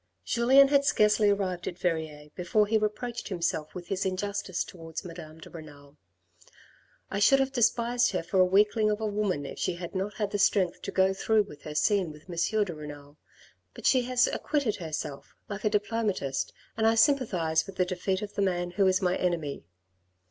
Julien had scarcely arrived at Verrieres before he reproached himself with his injustice towards Madame de Renal. " I should have despised her for a weakling of a woman if she had not had the strength to go through with her scene with M. de Renal. But she has acquitted herself like a diplomatist and I sympathise with the defeat of the man who is my enemy.